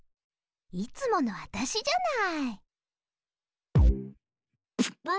いつものわたしじゃない？